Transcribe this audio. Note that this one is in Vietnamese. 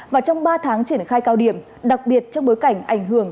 và trong ba tháng triển khai cao điểm đặc biệt trong bối cảnh ảnh hưởng